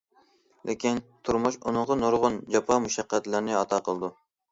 لېكىن، تۇرمۇش ئۇنىڭغا نۇرغۇن جاپا- مۇشەققەتلەرنى ئاتا قىلىدۇ.